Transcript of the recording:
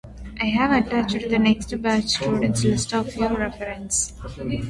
She worked as a flight attendant after leaving college.